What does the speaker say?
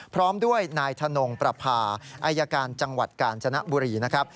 พร้อมด้วยนายธนงประพาอายการจังหวัดกาญจนบุรีนะครับ